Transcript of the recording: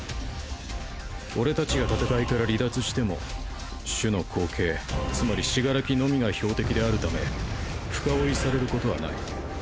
俺達が戦いから離脱しても主の後継つまり死柄木のみが標的である為深追いされることはない。